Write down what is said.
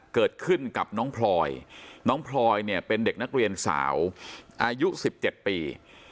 เกิดขึ้นกับน้องพลอยน้องพลอยเนี่ยเป็นเด็กนักเรียนสาวอายุ๑๗ปี